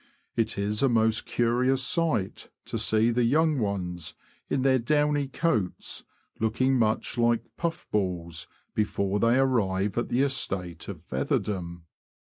It is a most curious sight to see the young ones, in their downy coats, looking much like ''puff balls," before they arrive at the estate of featherdom.